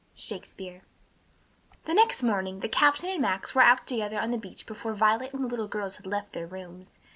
Shakespeare. The next morning the captain and Max were out together on the beach before Violet and the little girls had left their rooms.